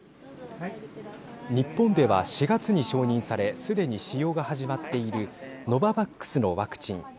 日本では、４月に承認されすでに使用が始まっているノババックスのワクチン。